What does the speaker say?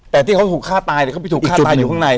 แต่ที่เขาถูกฆ่าตายเขาไปถูกฆ่าตายอยู่ข้างใน